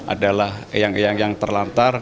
adalah eang eang yang terlantar